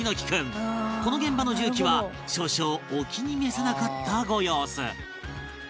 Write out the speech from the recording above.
この現場の重機は少々お気に召さなかったご様子